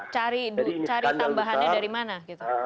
cari tambahannya dari mana